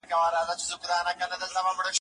او د زهرجنو مږو غاښونه یې په ریښو کې مات دي